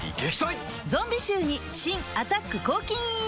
ゾンビ臭に新「アタック抗菌ＥＸ」